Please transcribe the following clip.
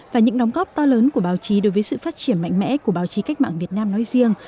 và những đóng góp to lớn của báo chí đối với sự phát triển mạnh mẽ của báo chí cách mạng việt nam nói riêng